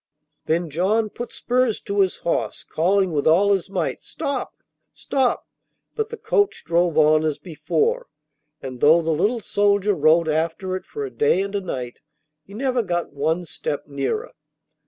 Then John put spurs to his horse, calling with all his might 'Stop! stop!' But the coach drove on as before, and though the little soldier rode after it for a day and a night, he never got one step nearer.